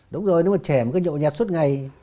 đúng rồi nếu mà trẻ mà cứ nhộn nhạt suốt ngày